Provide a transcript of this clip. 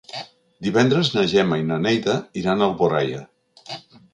Divendres na Gemma i na Neida iran a Alboraia.